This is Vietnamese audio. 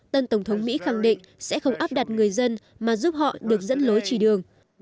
tân tổng thống mỹ khẳng định sẽ không áp đặt người dân mà giúp họ được dẫn lối chỉ đường